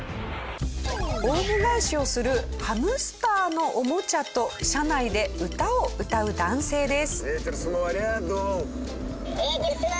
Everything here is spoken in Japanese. オウム返しをするハムスターのおもちゃと車内で歌を歌う男性です。